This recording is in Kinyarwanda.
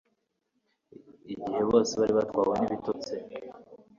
igihe bose bari batwawe n'ibitotsi